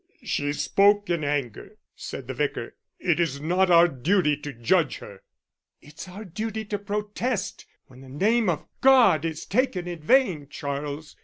"She spoke in anger," said the Vicar. "It is not our duty to judge her." "It's our duty to protest when the name of God is taken in vain, Charles.